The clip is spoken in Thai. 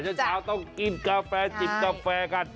เช้าต้องกินกาแฟจิบกาแฟกัน